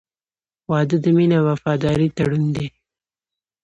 • واده د مینې او وفادارۍ تړون دی.